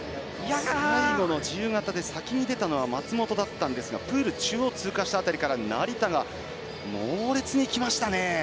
最後の自由形で先に出たのは松本だったんですがプール中央、通過した辺りから成田が猛烈にきましたね。